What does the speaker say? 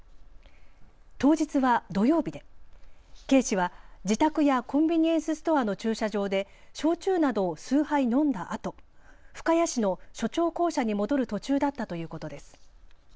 当日は土曜日で警視は自宅やコンビニエンスストアの駐車場で焼酎などを数杯飲んだあと深谷市の署長公舎に戻る途中だったということです。